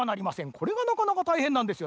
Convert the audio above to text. これがなかなかたいへんなんですよ。